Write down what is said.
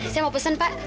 saya mau pesan pak